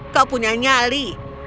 kau punya nyali